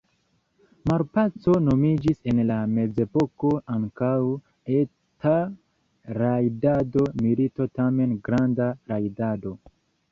Malpaco nomiĝis en la mezepoko ankaŭ „eta rajdado“, milito tamen „granda rajdado“.